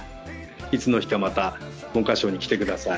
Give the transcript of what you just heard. いつの日かまた、文科省に来てください。